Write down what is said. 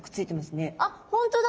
あ本当だ。